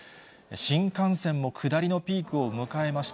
新幹線も下りのピークを迎えました。